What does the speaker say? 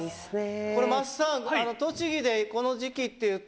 これ桝さん栃木でこの時期っていうと。